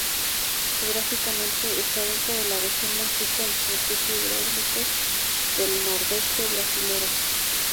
Geográficamente está dentro de la región más rica en recursos hídricos del Nordeste Brasilero.